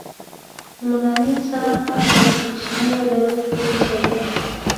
لومړني انسانان هم په کوچنیو ډلو کې اوسېدل.